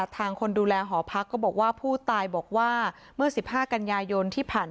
คนดูแลหอพักก็บอกว่าผู้ตายบอกว่าเมื่อ๑๕กันยายนที่ผ่าน